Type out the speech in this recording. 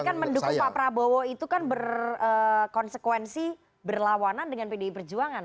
tapi kan mendukung pak prabowo itu kan berkonsekuensi berlawanan dengan pdi perjuangan